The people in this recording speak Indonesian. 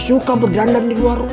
saya akan ambil suku